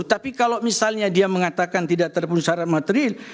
tapi kalau misalnya dia mengatakan tidak terpenuh secara material